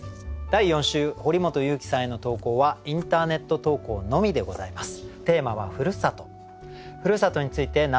第４週堀本裕樹さんへの投稿はインターネット投稿のみでございます。